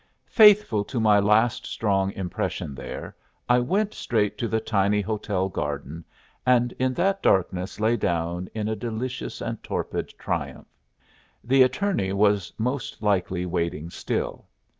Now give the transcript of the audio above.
Faithful to my last strong impression there, I went straight to the tiny hotel garden, and in that darkness lay down in a delicious and torpid triumph. The attorney was most likely waiting still.